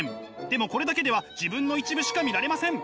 でもこれだけでは自分の一部しか見られません。